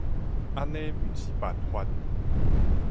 按呢毋是辦法